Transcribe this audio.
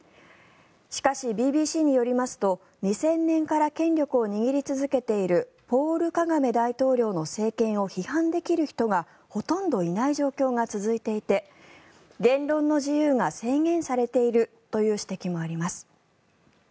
しかし、ＢＢＣによりますと２０００年から権力を握り続けているポール・カガメ大統領の政権を批判できる人がほとんどいない状況が続いていて言論の自由が制限されているという指摘もあります。